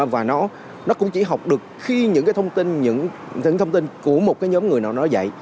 và nó cũng chỉ học được khi những cái thông tin của một nhóm người nào nó dạy